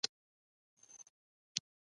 د ګاؤټ د یوریک اسید ډبرې دي.